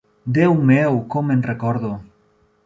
Déu meu, com me'n recordo!